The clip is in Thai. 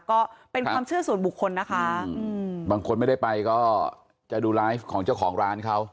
ก็เป็นความเชื่อส่วนบุคคลนะคะอืมบางคนไม่ได้ไปก็จะดูไลฟ์ของเจ้าของร้านเขา